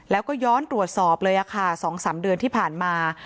แล้วก็ย้อนตรวจสอบเลยค่ะ๒๓เดือนที่ผ่านมา